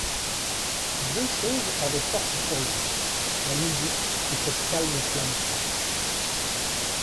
Deux choses avaient force sur lui, la musique et cette calme Flamande.